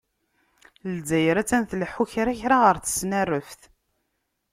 Lezzayer attan tleḥḥu kra kra ɣer tesnareft.